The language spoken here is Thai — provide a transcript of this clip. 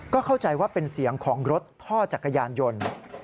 เข้าใจว่าเป็นเสียงของรถท่อจักรยานยนต์